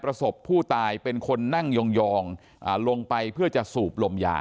ประสบผู้ตายเป็นคนนั่งย่องลงไปเพื่อจะสูบ